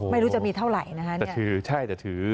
ไม่รู้จะมีเท่าไหร่นะคะแต่ถือ